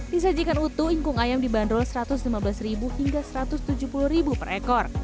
disajikan utuh ingkung ayam dibanderol rp satu ratus lima belas hingga rp satu ratus tujuh puluh per ekor